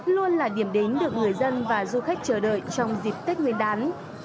luôn là điểm đến được người dân và du khách chờ đợi trong dịp tết nguyên đán